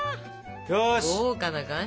豪華な感じ！